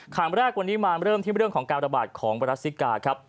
ข่าวแรกวันนี้มาเริ่มที่เรื่องของการระบาดของไวรัสซิกาครับ